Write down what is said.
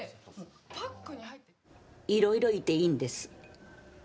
いろいろいて、いいんです。